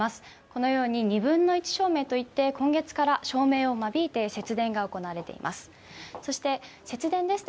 このように２分の１照明といって今月から照明を間引いて節電が行われています。